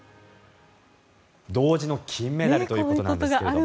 同時の金メダルということなんですけども。